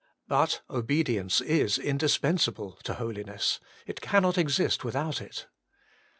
But obedience is indispensable to holiness : it cannot exist without it.